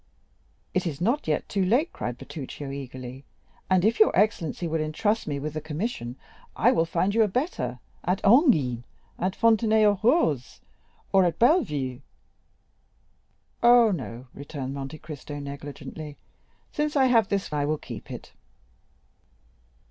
'" "It is not yet too late," cried Bertuccio, eagerly; "and if your excellency will intrust me with the commission, I will find you a better at Enghien, at Fontenay aux Roses, or at Bellevue." "Oh, no," returned Monte Cristo negligently; "since I have this, I will keep it."